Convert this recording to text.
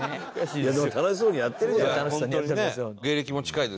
いやでも楽しそうにやってるじゃない。